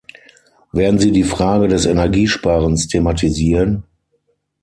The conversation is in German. Werden Sie die Frage des Energiesparens thematisieren?